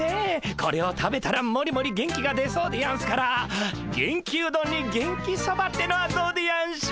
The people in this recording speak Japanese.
これを食べたらモリモリ元気が出そうでやんすから「元気うどん」に「元気そば」ってのはどうでやんしょ？